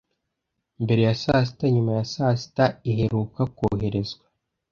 mbere ya saa sita nyuma ya saa sita - iheruka koherezwa.